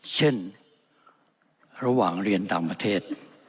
เช่นระหว่างเรียนต่างประเทศ